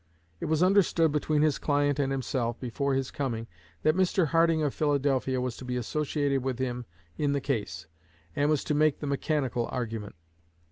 It was understood between his client and himself, before his coming, that Mr. Harding of Philadelphia was to be associated with him in the case, and was to make the 'mechanical argument.'